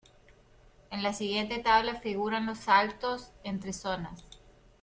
En la siguiente tabla figuran los saltos entre zonas.